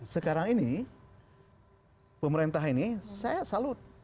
sekarang ini pemerintah ini saya salut